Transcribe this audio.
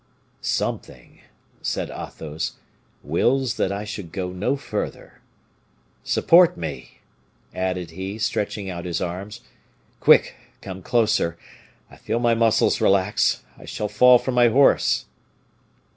"Something," said Athos, "wills that I should go no further. Support me," added he, stretching out his arms; "quick! come closer! I feel my muscles relax I shall fall from my horse."